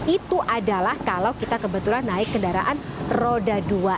itu adalah kalau kita kebetulan naik kendaraan roda dua